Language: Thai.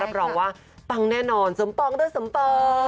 รองว่าปังแน่นอนสมปองด้วยสมปอง